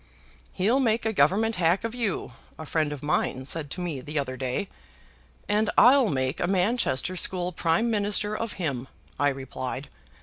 'He'll make a Government hack of you,' a friend of mine said to me the other day. 'And I'll make a Manchester school Prime Minister of him,' I replied.